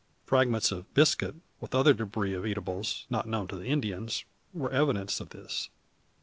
Fragments of biscuit, with other debris of eatables, not known to Indians, were evidence of this.